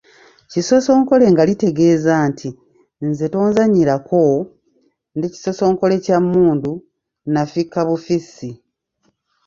Kisosonkole nga litegeeza nti “nze tonzannyirako, ndi kisosonkole kya mmundu, nafikka bufissi.”